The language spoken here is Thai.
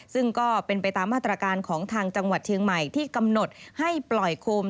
ซึ่งก็เป็นไปตามมาตรการของทางจังหวัดเชียงใหม่ที่กำหนดให้ปล่อยโคม